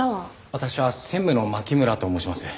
私は専務の槇村と申します。